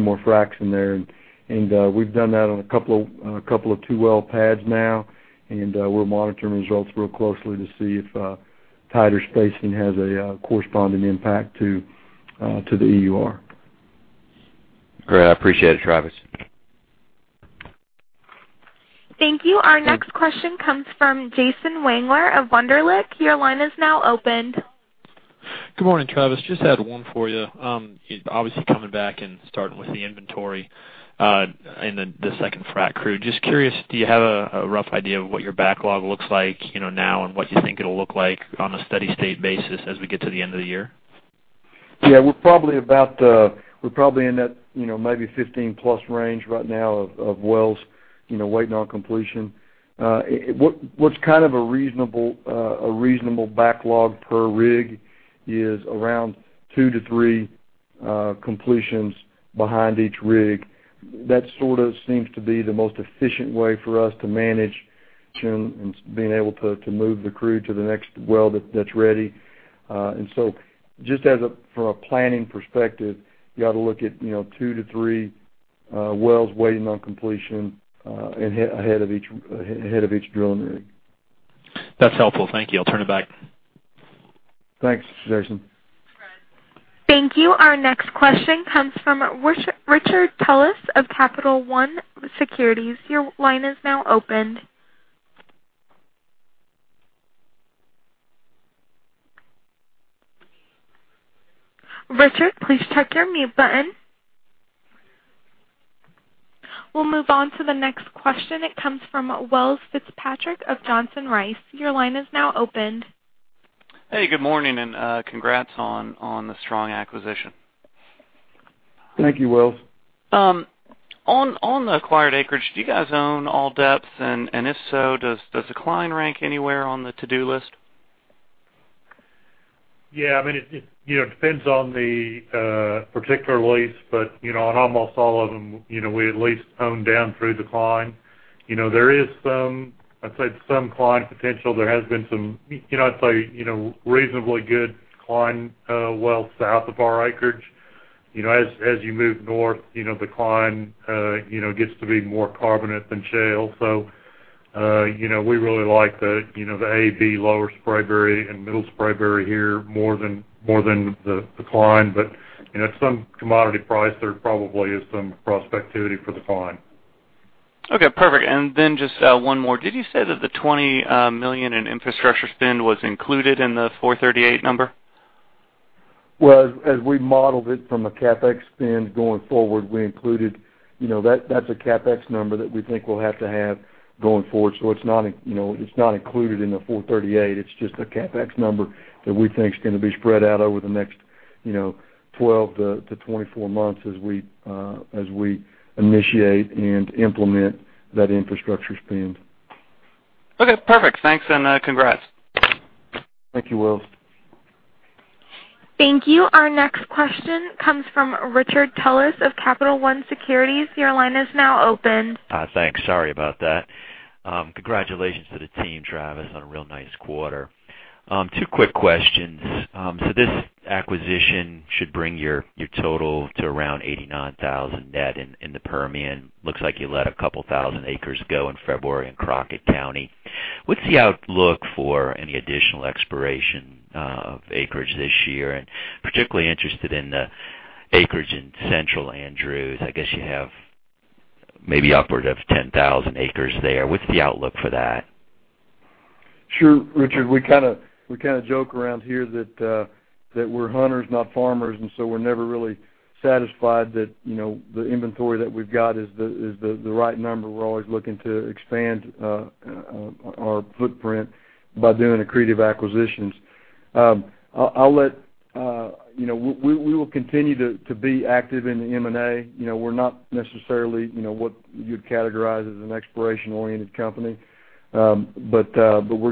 more fracs in there. We've done that on a couple of two-well pads now, and we're monitoring results real closely to see if tighter spacing has a corresponding impact to the EUR. Great. I appreciate it, Travis. Thank you. Our next question comes from Jason Wangler of Wunderlich. Your line is now open. Good morning, Travis. Just had one for you. Obviously, coming back and starting with the inventory, then the second frac crew. Just curious, do you have a rough idea of what your backlog looks like now and what you think it'll look like on a steady-state basis as we get to the end of the year? Yeah. We're probably in that maybe 15-plus range right now of wells waiting on completion. What's a reasonable backlog per rig is around two to three completions behind each rig. That sort of seems to be the most efficient way for us to manage and being able to move the crew to the next well that's ready. Just from a planning perspective, you got to look at two to three wells waiting on completion ahead of each drilling rig. That's helpful. Thank you. I'll turn it back. Thanks, Jason. Thank you. Our next question comes from Richard Tullis of Capital One Securities. Your line is now open. Richard, please check your mute button. We'll move on to the next question. It comes from Welles Fitzpatrick of Johnson Rice. Your line is now open. Hey, good morning. Congrats on the strong acquisition. Thank you, Welles. On the acquired acreage, do you guys own all depths? If so, does Cline rank anywhere on the to-do list? Yeah. It depends on the particular lease, but on almost all of them, we at least own down through Cline. There is some Cline potential. There has been some reasonably good Cline wells south of our acreage. As you move north, the Cline gets to be more carbonate than shale. We really like the A, B, Lower Spraberry and Middle Spraberry here more than the Cline. At some commodity price, there probably is some prospectivity for Cline. Okay, perfect. Then just one more. Did you say that the $20 million in infrastructure spend was included in the $438 number? Well, as we modeled it from a CapEx spend going forward, that's a CapEx number that we think we'll have to have going forward. It's not included in the $438. It's just a CapEx number that we think is going to be spread out over the next 12 to 24 months as we initiate and implement that infrastructure spend. Okay, perfect. Thanks and congrats. Thank you, Welles. Thank you. Our next question comes from Richard Tullis of Capital One Securities. Your line is now open. Thanks. Sorry about that. Congratulations to the team, Travis, on a real nice quarter. Two quick questions. This acquisition should bring your total to around 89,000 net in the Permian. Looks like you let a couple thousand acres go in February in Crockett County. What's the outlook for any additional exploration of acreage this year? Particularly interested in the acreage in Central Andrews. I guess you have maybe upward of 10,000 acres there. What's the outlook for that? Sure, Richard. We joke around here that we're hunters, not farmers, and so we're never really satisfied that the inventory that we've got is the right number. We're always looking to expand our footprint by doing accretive acquisitions. We will continue to be active in the M&A. We're not necessarily what you'd categorize as an exploration-oriented company. We're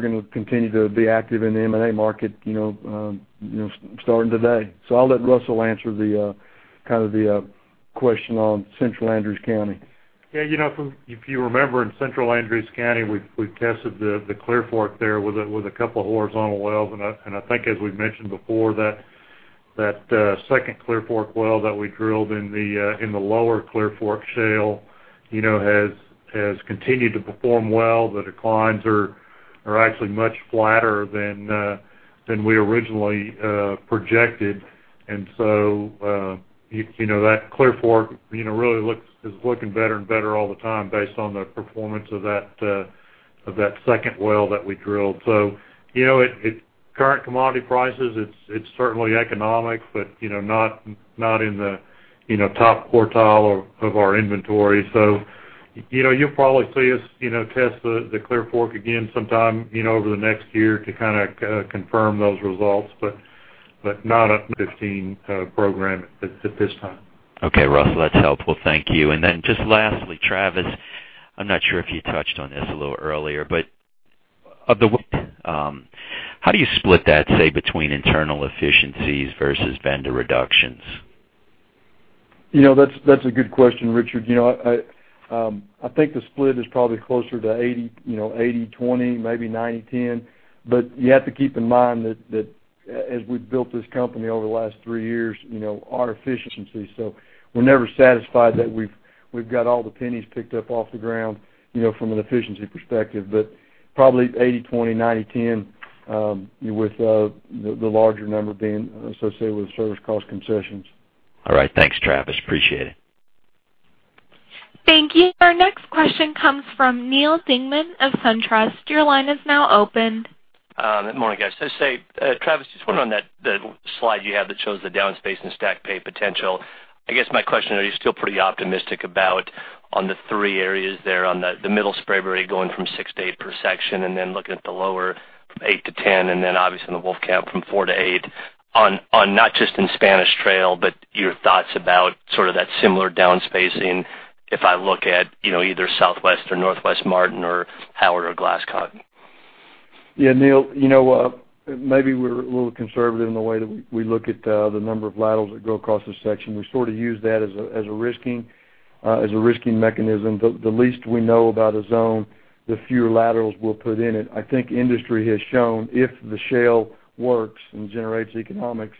going to continue to be active in the M&A market starting today. I'll let Russell answer the question on Central Andrews County. Yeah. If you remember, in Central Andrews County, we tested the Clear Fork there with a couple horizontal wells. I think as we've mentioned before, that second Clear Fork well that we drilled in the Lower Clear Fork shale has continued to perform well. The declines are actually much flatter than we originally projected. That Clear Fork really is looking better and better all the time based on the performance of that second well that we drilled. At current commodity prices, it's certainly economic, but not in the top quartile of our inventory. You'll probably see us test the Clear Fork again sometime over the next year to confirm those results, but not at the 2015 program at this time. Okay, Russell, that's helpful. Thank you. Just lastly, Travis, I'm not sure if you touched on this a little earlier, but how do you split that, say, between internal efficiencies versus vendor reductions? That's a good question, Richard. I think the split is probably closer to 80/20, maybe 90/10. You have to keep in mind that as we've built this company over the last three years, our efficiency. We're never satisfied that we've got all the pennies picked up off the ground from an efficiency perspective, but probably 80/20, 90/10, with the larger number being associated with service cost concessions. All right. Thanks, Travis. Appreciate it. Thank you. Our next question comes from Neal Dingmann of SunTrust. Your line is now open. Good morning, guys. Travis, just wondering on that slide you have that shows the downspacing and stack pay potential. I guess my question, are you still pretty optimistic about on the three areas there, on the Middle Spraberry going from six to eight per section, and then looking at the Lower from eight to 10, and then obviously in the Wolfcamp from four to eight, on not just in Spanish Trail, but your thoughts about that similar downspacing if I look at either Southwest or Northwest Martin or Howard or Glasscock? Yeah, Neal, maybe we're a little conservative in the way that we look at the number of laterals that go across this section. We sort of use that as a risking mechanism. The least we know about a zone, the fewer laterals we'll put in it. I think industry has shown if the shale works and generates economics,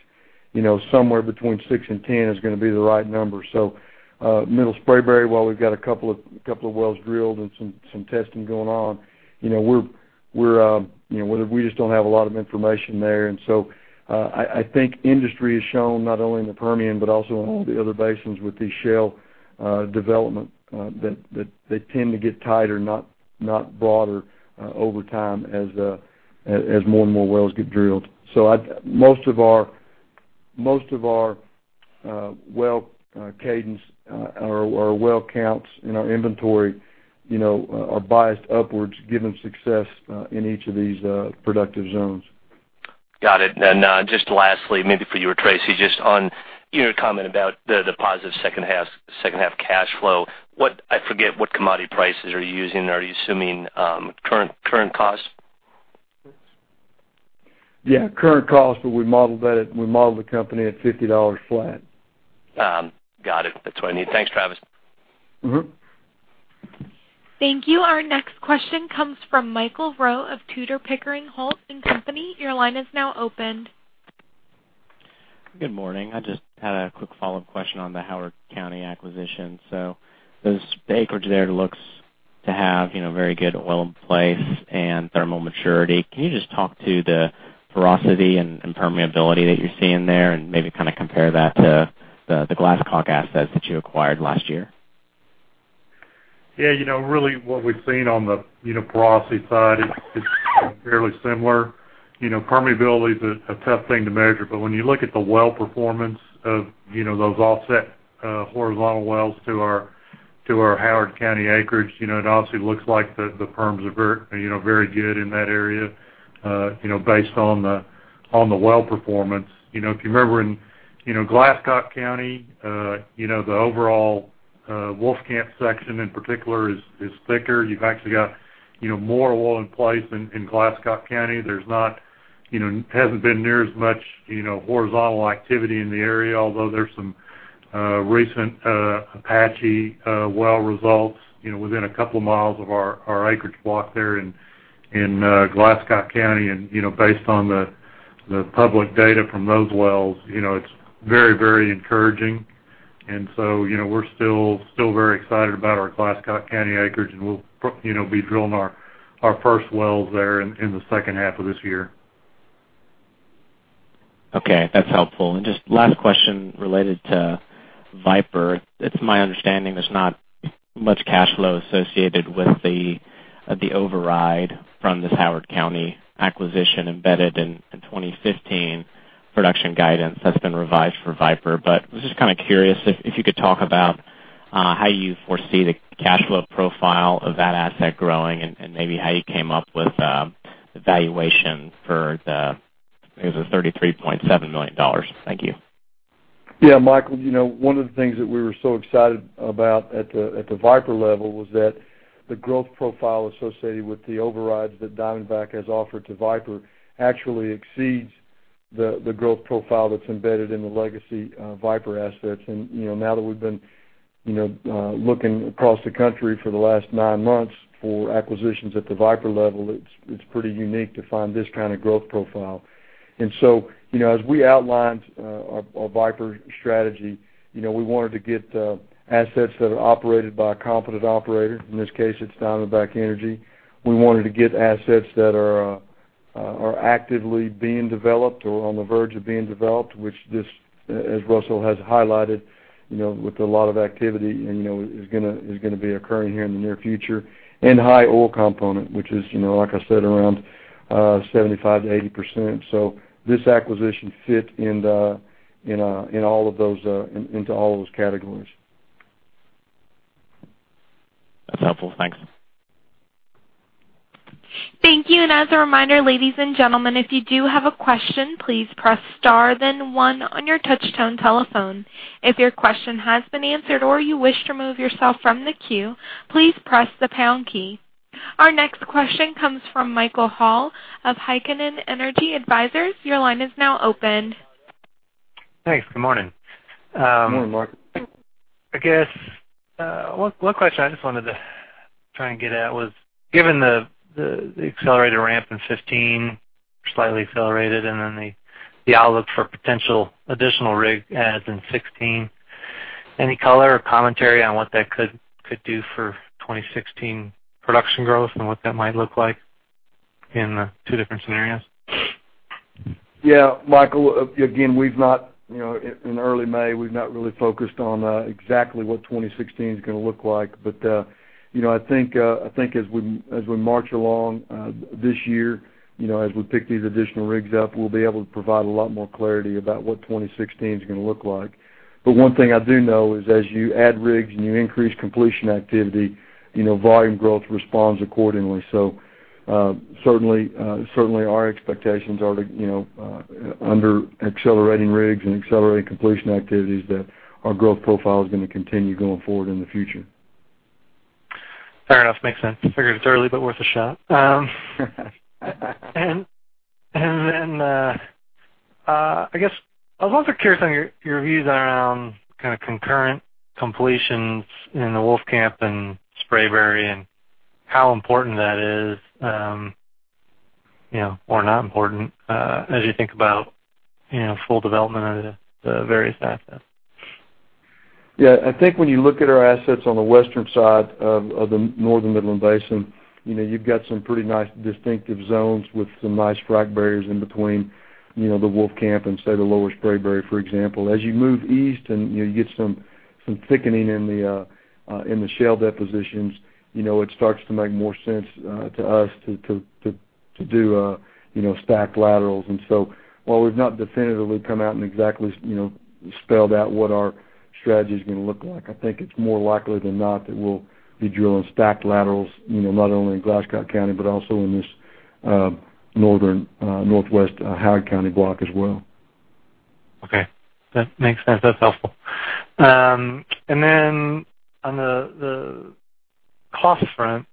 somewhere between six and 10 is going to be the right number. Middle Spraberry, while we've got a couple of wells drilled and some testing going on, we just don't have a lot of information there. I think industry has shown not only in the Permian, but also in all the other basins with these shale development that they tend to get tighter, not broader over time as more and more wells get drilled. Most of our well cadence or well counts in our inventory are biased upwards given success in each of these productive zones. Got it. Just lastly, maybe for you or Tracy, just on your comment about the positive second half cash flow. I forget what commodity prices are you using? Are you assuming current costs? Yeah, current cost, but we modeled the company at $50 flat. Got it. That's what I need. Thanks, Travis. Thank you. Our next question comes from Michael Rowe of Tudor, Pickering, Holt & Co. Your line is now open. Good morning. I just had a quick follow-up question on the Howard County acquisition. This acreage there looks to have very good oil in place and thermal maturity. Can you just talk to the porosity and permeability that you're seeing there, and maybe compare that to the Glasscock assets that you acquired last year? Yeah, really what we've seen on the porosity side is fairly similar. Permeability is a tough thing to measure, but when you look at the well performance of those offset horizontal wells to our Howard County acreage, it obviously looks like the perms are very good in that area based on the well performance. If you remember in Glasscock County, the overall Wolfcamp section in particular is thicker. You've actually got more oil in place in Glasscock County. There hasn't been near as much horizontal activity in the area, although there's some recent Apache well results within a couple of miles of our acreage block there in Glasscock County. Based on the public data from those wells, it's very encouraging. We're still very excited about our Glasscock County acreage, and we'll be drilling our first wells there in the second half of this year. Okay, that's helpful. Just last question related to Viper. It's my understanding there's not much cash flow associated with the override from this Howard County acquisition embedded in 2015 production guidance that's been revised for Viper. I was just curious if you could talk about how you foresee the cash flow profile of that asset growing, and maybe how you came up with the valuation for the, I think it was a $33.7 million? Thank you. Yeah, Michael, one of the things that we were so excited about at the Viper level was that the growth profile associated with the overrides that Diamondback has offered to Viper actually exceeds the growth profile that's embedded in the legacy Viper assets. Now that we've been looking across the country for the last nine months for acquisitions at the Viper level, it's pretty unique to find this kind of growth profile. As we outlined our Viper strategy, we wanted to get assets that are operated by a competent operator. In this case, it's Diamondback Energy. We wanted to get assets that are actively being developed or on the verge of being developed, which this, as Russell has highlighted, with a lot of activity, and is going to be occurring here in the near future. High oil component, which is, like I said, around 75%-80%. This acquisition fit into all of those categories. That's helpful. Thanks. Thank you. As a reminder, ladies and gentlemen, if you do have a question, please press star then one on your touch tone telephone. If your question has been answered or you wish to remove yourself from the queue, please press the pound key. Our next question comes from Michael Hall of Heikkinen Energy Advisors. Your line is now open. Thanks. Good morning. Good morning, Michael. I guess, one question I just wanted to try and get at was, given the accelerated ramp in 2015, slightly accelerated, and then the outlook for potential additional rig adds in 2016, any color or commentary on what that could do for 2016 production growth and what that might look like in the two different scenarios? Yeah, Michael, again, in early May, we've not really focused on exactly what 2016's going to look like. I think as we march along this year, as we pick these additional rigs up, we'll be able to provide a lot more clarity about what 2016's going to look like. One thing I do know is as you add rigs and you increase completion activity, volume growth responds accordingly. Certainly our expectations are to, under accelerating rigs and accelerating completion activities, that our growth profile is going to continue going forward in the future. Fair enough. Makes sense. Figured it's early, but worth a shot. I guess I was also curious on your views around kind of concurrent completions in the Wolfcamp and Spraberry, and how important that is, or not important, as you think about full development of the various assets. I think when you look at our assets on the western side of the Northern Midland Basin, you've got some pretty nice distinctive zones with some nice frac barriers in between, the Wolfcamp and say the Lower Spraberry, for example. As you move east and you get some thickening in the shale depositions, it starts to make more sense to us to do stacked laterals. While we've not definitively come out and exactly spelled out what our strategy's going to look like, I think it's more likely than not that we'll be drilling stacked laterals, not only in Glasscock County, but also in this northwest Howard County block as well. Okay. That makes sense. That's helpful. On the cost front,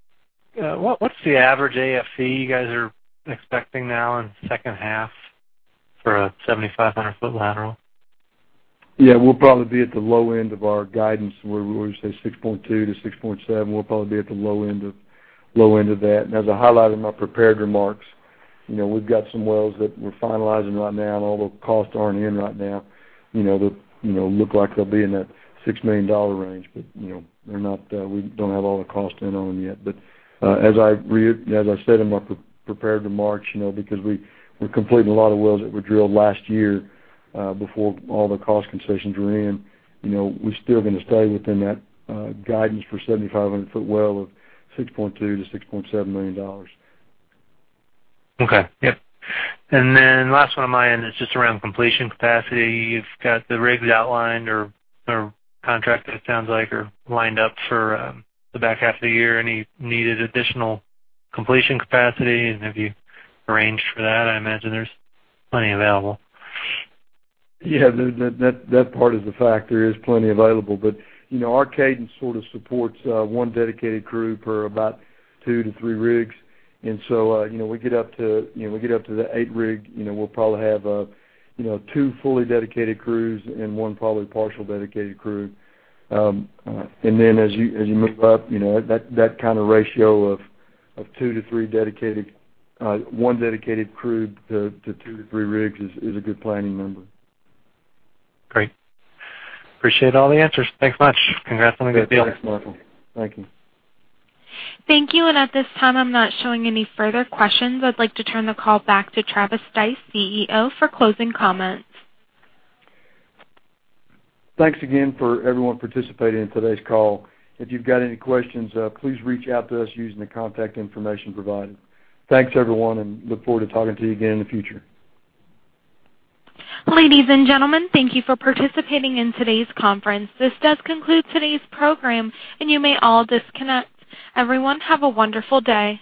what's the average AFE you guys are expecting now in the second half for a 7,500-foot lateral? We'll probably be at the low end of our guidance, where we say $6.2 million to $6.7 million, we'll probably be at the low end of that. As I highlighted in my prepared remarks, we've got some wells that we're finalizing right now, and although costs aren't in right now, they look like they'll be in that $6 million range, but we don't have all the costs in on yet. As I said in my prepared remarks, because we're completing a lot of wells that were drilled last year, before all the cost concessions were in, we're still going to stay within that guidance for 7,500-foot well of $6.2 million to $6.7 million. Okay. Yep. Last one on my end is just around completion capacity. You've got the rigs outlined or contracted, it sounds like, or lined up for the back half of the year. Any needed additional completion capacity, and have you arranged for that? I imagine there's plenty available. Yeah, that part is a fact, there is plenty available. Our cadence sort of supports one dedicated crew per about 2 to 3 rigs. We get up to the eight rig, we'll probably have two fully dedicated crews and one probably partial dedicated crew. As you move up, that kind of ratio of one dedicated crew to 2 to 3 rigs is a good planning number. Great. Appreciate all the answers. Thanks much. Congrats on a good deal. Thanks, Michael. Thank you. Thank you. At this time, I'm not showing any further questions. I'd like to turn the call back to Travis Stice, CEO, for closing comments. Thanks again for everyone participating in today's call. If you've got any questions, please reach out to us using the contact information provided. Thanks, everyone, and look forward to talking to you again in the future. Ladies and gentlemen, thank you for participating in today's conference. This does conclude today's program, and you may all disconnect. Everyone, have a wonderful day.